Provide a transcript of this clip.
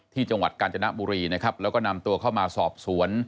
ที่จังหวัดกาญจนบรีแล้วก็นำตัวเข้ามาสอบสวน